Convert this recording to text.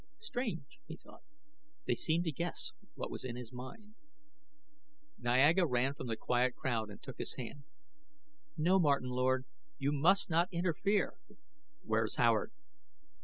Strange, he thought; they seemed to guess what was in his mind. Niaga ran from the quiet crowd and took his hand. "No, Martin Lord; you must not interfere!" "Where's Howard?"